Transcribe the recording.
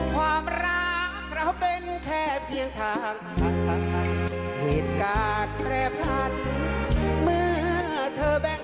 ความรักเราเป็นแค่เพียงทางผ่าน